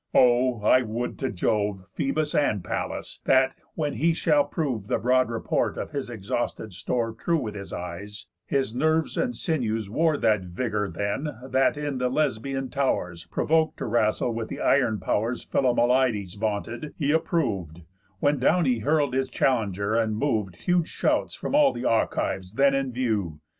O, I would to Jove, Phœbus, and Pallas, that, when he shall prove The broad report of his exhausted store True with his eyes, his nerves and sinews wore That vigour then that in the Lesbian tow'rs, Provok'd to wrastle with the iron pow'rs Philomelides vaunted, he approv'd; When down he hurl'd his challenger, and mov'd Huge shouts from all the Achives then in view.